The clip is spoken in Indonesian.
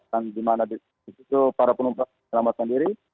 dan di mana disitu para penumpang selamat sendiri